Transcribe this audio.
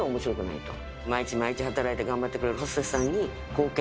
毎日毎日働いて頑張ってくれるホステスさんに貢献したいと。